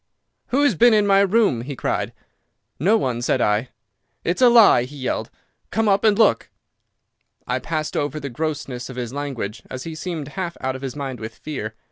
"'Who has been in my room?' he cried. "'No one,' said I. "'It's a lie! He yelled. 'Come up and look!' "I passed over the grossness of his language, as he seemed half out of his mind with fear.